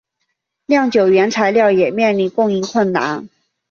酿酒原材料也面临供应困难。